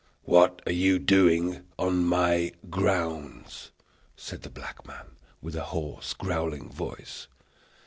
"What are you doing on my grounds?" said the black man, with a hoarse, growling voice.